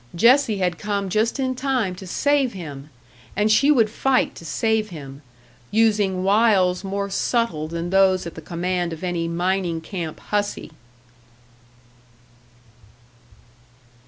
Jessie had come just in time to save him! And she would fight to save him using wiles more subtle than those at the command of any mining camp hussy!